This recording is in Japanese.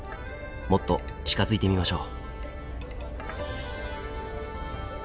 もっと近づいてみましょう。